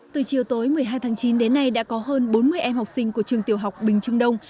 từ chiều tối một mươi hai tháng chín đến nay đã có hơn bốn mươi em học sinh của trường tiểu học bình trưng đông